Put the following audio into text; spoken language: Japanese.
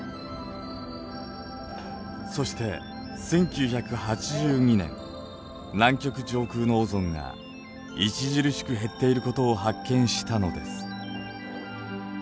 そして１９８２年南極上空のオゾンが著しく減っていることを発見したのです。